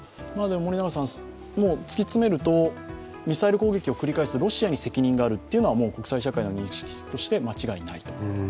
森永さん、もう突き詰めるとミサイル攻撃を繰り返すロシアに責任があるということは国際社会の認識として間違いないと？